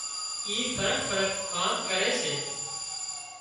اي فرق فرق ڪام ڪري سي